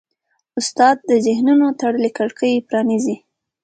استاد د ذهنونو تړلې کړکۍ پرانیزي.